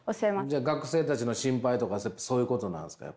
じゃ学生たちの心配とかそういうことなんすか？